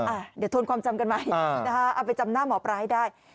อ่ะเดี๋ยวทวนความจำกันใหม่นะคะเอาไปจำหน้าหมอปลาให้ได้